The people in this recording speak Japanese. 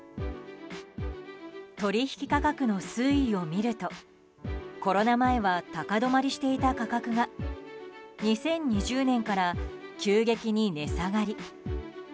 取引価格の推移を見るとコロナ前は高止まりしていた価格が２０２０年から急激に値下がり。